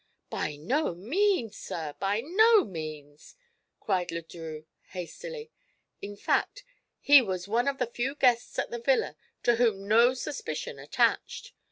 "By no means, sir; by no means!" cried Le Drieux hastily. "In fact, he was one of the few guests at the villa to whom no suspicion attached.